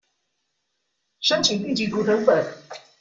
申請地籍圖謄本